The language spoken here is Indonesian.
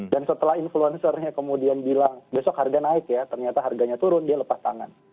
dan setelah influencer nya kemudian bilang besok harga naik ya ternyata harganya turun dia lepas tangan